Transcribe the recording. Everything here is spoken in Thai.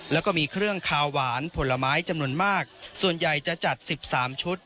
แล้วก็มีเครื่องคาวหวานผลไม้จำนวนมากส่วนใหญ่จะจัดสิบสามชุด